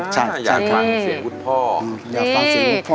อ๋อใช่อยากฟังเสียงคุณพ่อ